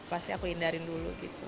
pasti aku hindarin dulu gitu